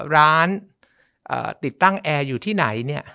ร้านติดตั้งแอร์อยู่ที่ไหนเนี่ย